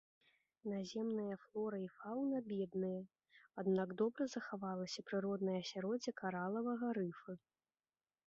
Наземная флора і фаўна бедныя, аднак добра захавалася прыроднае асяроддзе каралавага рыфа.